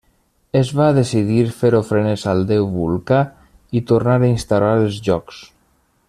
Es va decidir fer ofrenes al déu Vulcà i tornar a instaurar els jocs.